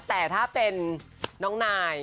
แต่ถ้าเป็นน้องนาย